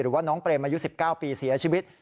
หรือว่าน้องเปรมอายุ๑๙ปีเสียชีวิต